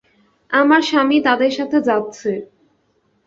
আমার স্বামী তাদের সাথে যাচ্ছে।